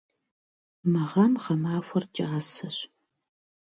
Мы гъэм гъэмахуэр кӏасэщ.